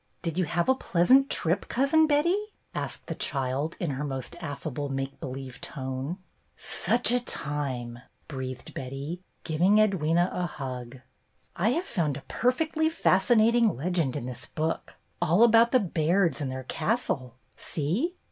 "Did you have a pleasant trip. Cousin Betty?" asked the child, in her most affable make believe tone. "Such a time!" breathed Betty, giving Edwyna a hug. "I have found a perfectly fascinating legend in this book, all about the COMING EVENTS 3 Bairds and their castle. See